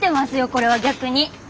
これは逆に。